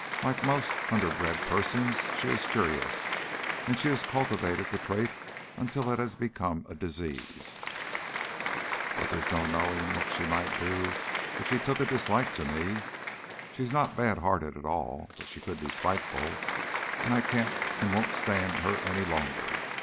Like most underbred persons, she is curious, and she has cultivated the trait until it has become a disease." "But there's no knowing what she might do if she took a dislike to me. She's not bad hearted at all, but she could be spiteful, and I can't and won't stand her any longer.